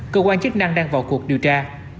cơ quan chức năng đang vào cuộc điều tra